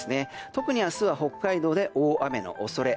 特に明日は北海道で大雨の恐れ。